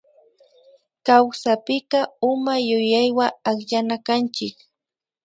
Kawsapika uma yuyaywa akllanakanchik